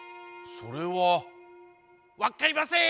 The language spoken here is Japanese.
それはわっかりません！